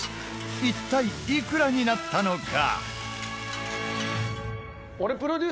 一体、いくらになったのか？